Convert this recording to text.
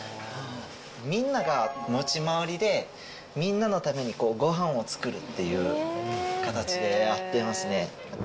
みんなが持ち回りで、みんなのためにごはんを作るっていう形でやってますね。